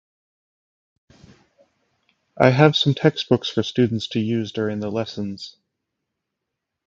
I have some textbooks for students to use during the lessons.